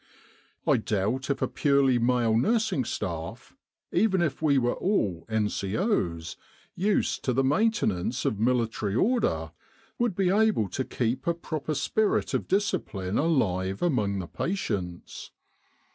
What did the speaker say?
I doubt if a purely male nursing staff, even if we were all N.C.O.'s used to the maintenance of military order, would be able to keep a proper spirit of discipline alive among the patients.